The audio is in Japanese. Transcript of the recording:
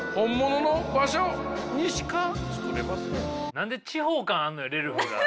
何で地方感あるのよレルフが。